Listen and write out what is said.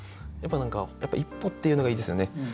やっぱ「一歩」っていうのがいいですよね。